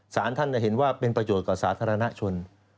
สารท่านเห็นว่าเป็นประโยชน์กับสาธารณชน